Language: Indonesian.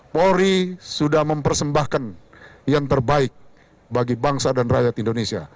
polri sudah mempersembahkan yang terbaik bagi bangsa dan rakyat indonesia